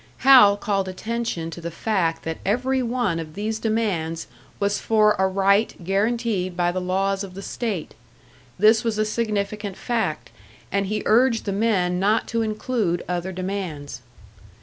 Hal called attention to the fact that every one of these demands was for a right guaranteed by the laws of the state; this was a significant fact, and he urged the men not to include other demands.